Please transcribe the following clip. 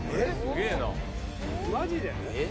マジで？